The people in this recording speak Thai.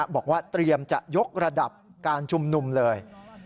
บอกว่าเตรียมจะยกระดับการชุมนุมเลย